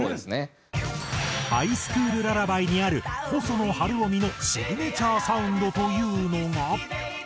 『ハイスクールララバイ』にある細野晴臣のシグネチャーサウンドというのが。